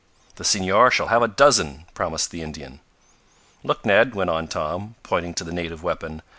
"The Senor shall have a dozen," promised the Indian. "Look, Ned," went on Tom, pointing to the native weapon.